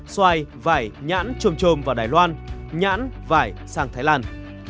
xoài vải nhãn trồm trồm vào đài loan nhãn vải sang thái lan